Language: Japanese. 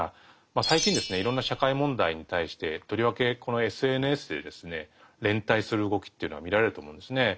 最近ですねいろんな社会問題に対してとりわけこのＳＮＳで連帯する動きというのが見られると思うんですね。